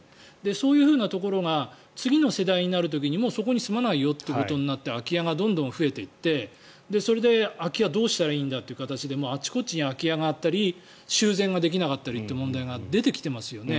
そういうふうなところが次の世代になる時にそこに住まないよってことになって空き家がどんどん増えていってそれで空き家どうしたらいいんだって形であちこちに空き家があったり修繕ができなかったりという問題が出てきてますよね。